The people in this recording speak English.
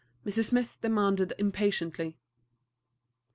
Mrs. Smith demanded impatiently.